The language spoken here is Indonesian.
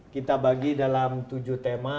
kita bagi dalam tujuh tema